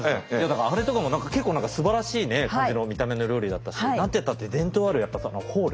あれとかも結構何かすばらしい感じの見た目の料理だったし何てったって伝統あるホール